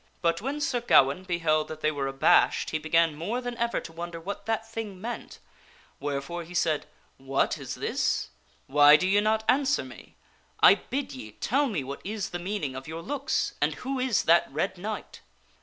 But when Sir Gawaine beheld that they were abashed he began more than ever to wonder what that thing meant; wherefore he said, " What is this ? Why do ye not answer me? I bid ye tell me what is the meaning of your looks, and who is that red knight